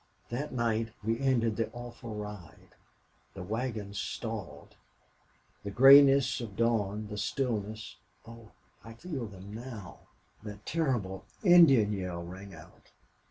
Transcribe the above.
That night we ended the awful ride! The wagons stalled!... The grayness of dawn the stillness oh, I feel them now!... That terrible Indian yell rang out.